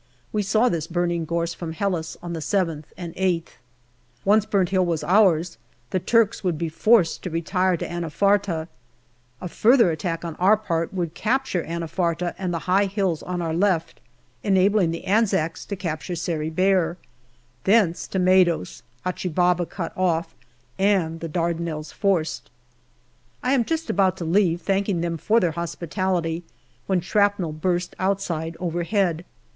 We saw this burning gorse from Helles on the 7th and 8th. Once Burnt Hill was ours, the Turks would be forced to retire to Anafarta. A further attack on our part would AUGUST 205 capture Anafarta and the high hills on our left, enabling the Anzacs to capture Sari Bair. Thence to Maidos, Achi Baba cut off, and the Dardanelles forced. I am just about to leave, thanking them for their hospi tality, when shrapnel burst outside overhead.